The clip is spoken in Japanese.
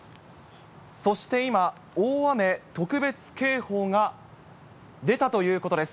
そして今、大雨特別警報が出たということです。